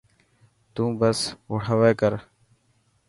تون بس هري ڪر.